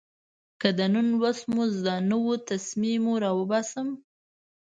که د نن لوست مو زده نه و، تسمې مو اوباسم.